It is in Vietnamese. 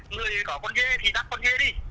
người có con dê thì đặt con dê đi